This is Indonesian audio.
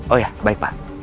oh iya baik pak